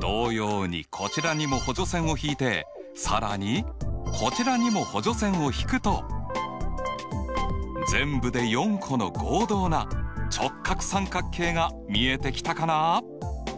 同様にこちらにも補助線を引いて更にこちらにも補助線を引くと全部で４個の合同な直角三角形が見えてきたかな？